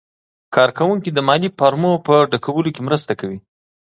کارکوونکي د مالي فورمو په ډکولو کې مرسته کوي.